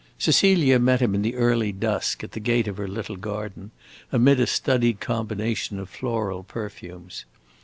Cecilia met him in the early dusk at the gate of her little garden, amid a studied combination of floral perfumes.